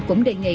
cũng đề nghị